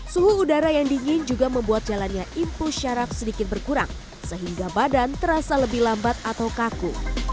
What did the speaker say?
suhu udara yang dingin juga membuat jalannya impulsyaraf sedikit berkurang sehingga badan terasa lebih lambat atau kaku